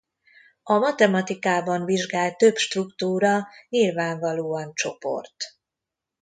A matematikában vizsgált több struktúra nyilvánvalóan csoport.